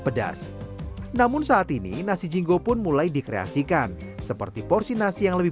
pedas namun saat ini nasi jingo pun mulai dikreasikan seperti porsi nasi yang lebih